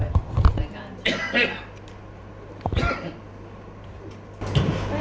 เราได้ตรวจสอบที่ไหนนะฮะ